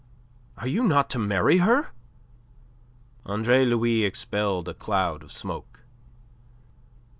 Are you not to marry her?" Andre Louis expelled a cloud of smoke.